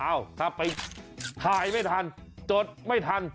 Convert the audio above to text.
ถ้าไปถ่ายไม่ทันจดไม่ทัน